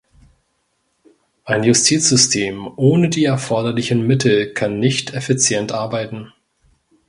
Ein Justizsystem ohne die erforderlichen Mittel kann nicht effizient arbeiten.